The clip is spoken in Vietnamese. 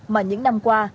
mà những năm qua